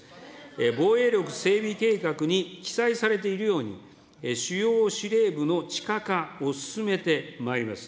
防衛力整備計画に記載されているように、主要司令部の地下化を進めてまいります。